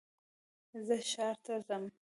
زه ښار ته ځم